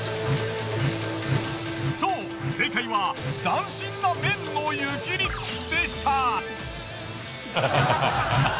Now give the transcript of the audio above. そう正解は斬新な麺の湯切りでした。